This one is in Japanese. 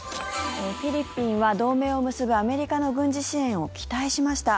フィリピンは同盟を結ぶアメリカの軍事支援を期待しました。